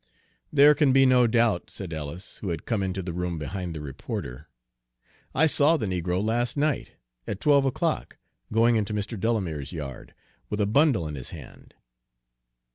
"There can be no doubt," said Ellis, who had come into the room behind the reporter. "I saw the negro last night, at twelve o'clock, going into Mr. Delamere's yard, with a bundle in his hand."